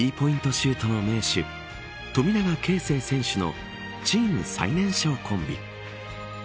シュートの名手富永啓生選手のチーム最年少コンビ。